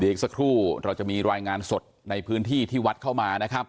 อีกสักครู่เราจะมีรายงานสดในพื้นที่ที่วัดเข้ามานะครับ